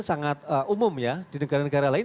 sangat umum ya di negara negara lain